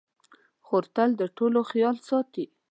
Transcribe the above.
خور تل د ټولو خیال ساتي.